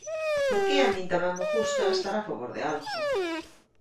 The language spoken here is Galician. Porque a min tamén me gusta estar a favor de algo.